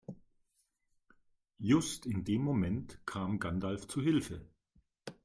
Just in dem Moment kam Gandalf zu Hilfe.